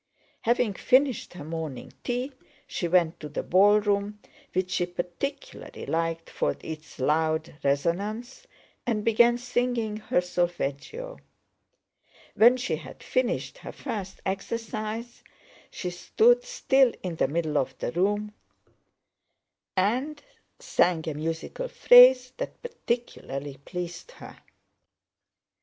Having finished her morning tea she went to the ballroom, which she particularly liked for its loud resonance, and began singing her solfeggio. When she had finished her first exercise she stood still in the middle of the room and sang a musical phrase that particularly pleased her.